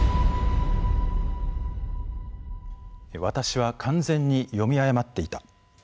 「私は完全に読み誤っていた。